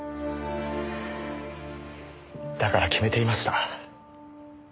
だから決めていました。